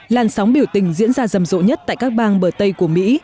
làn sóng biểu tình diễn ra rầm rộ nhất tại các bang bờ tây của mỹ